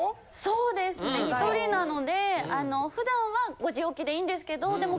そうですね１人なので普段は５時起きでいいんですけどでも。